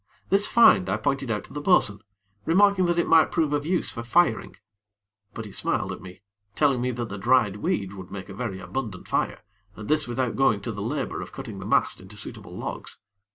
This find, I pointed out to the bo'sun, remarking that it might prove of use for firing; but he smiled at me, telling me that the dried weed would make a very abundant fire, and this without going to the labor of cutting the mast into suitable logs.